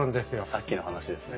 さっきの話ですね。